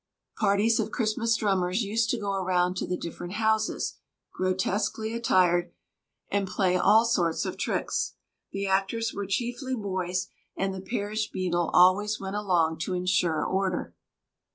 Parties of Christmas drummers used to go around to the different houses, grotesquely attired, and play all sorts of tricks. The actors were chiefly boys, and the parish beadle always went along to insure order.